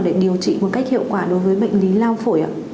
để điều trị một cách hiệu quả đối với bệnh lý lao phổi ạ